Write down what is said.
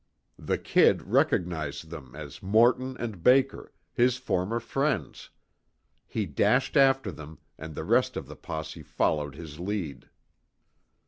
The "Kid" recognized them as Morton and Baker, his former friends. He dashed after them, and the rest of the posse followed his lead.